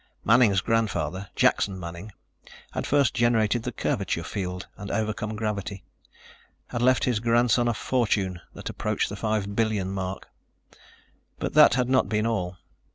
Manning's grandfather, Jackson Manning, had first generated the curvature field and overcome gravity, had left his grandson a fortune that approached the five billion mark. But that had not been all.